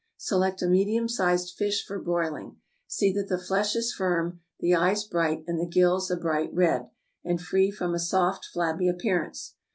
Select a medium sized fish for broiling; see that the flesh is firm, the eyes bright, and the gills a bright red, and free from a soft, flabby appearance.